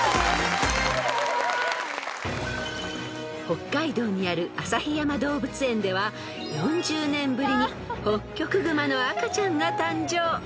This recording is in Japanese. ［北海道にある旭山動物園では４０年ぶりにホッキョクグマの赤ちゃんが誕生］